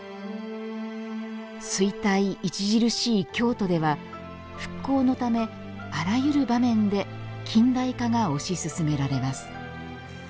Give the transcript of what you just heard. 衰退著しい京都では復興のため、あらゆる場面で近代化が推し進められます。